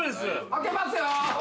開けますよ！